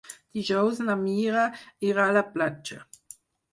Dijous na Mira irà a la platja.